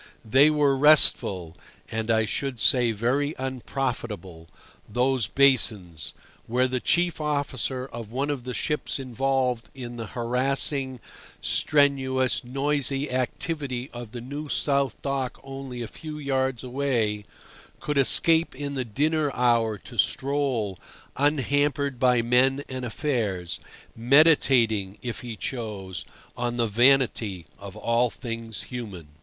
They were restful (and I should say very unprofitable), those basins, where the chief officer of one of the ships involved in the harassing, strenuous, noisy activity of the New South Dock only a few yards away could escape in the dinner hour to stroll, unhampered by men and affairs, meditating (if he chose) on the vanity of all things human.